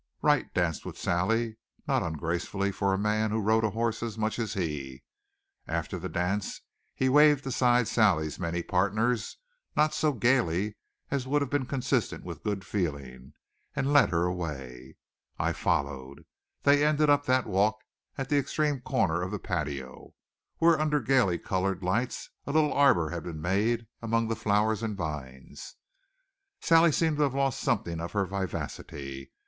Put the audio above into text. Wright danced with Sally, not ungracefully for a man who rode a horse as much as he. After the dance he waved aside Sally's many partners, not so gaily as would have been consistent with good feeling, and led her away. I followed. They ended up that walk at the extreme corner of the patio, where, under gaily colored lights, a little arbor had been made among the flowers and vines. Sally seemed to have lost something of her vivacity.